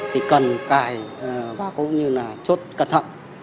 thì cần cài và cũng như là chốt cẩn thận